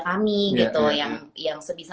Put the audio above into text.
kami gitu yang sebisa